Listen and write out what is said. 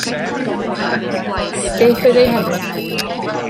Beth oedd ei henw?